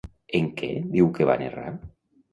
En què diu que van errar?